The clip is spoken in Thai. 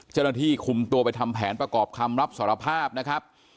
เจ้าหน้าที่คุมตัวไปทำแผนประกอบคำรับสารภาพนะครับ